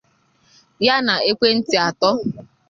ya na ekwentị atọ